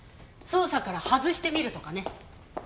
捜査から外してみるとかね。